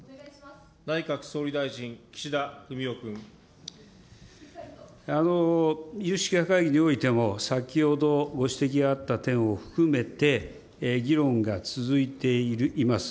内閣総理大臣、岸田文雄君。有識者会議においても、先ほどご指摘があった点を含めて議論が続いています。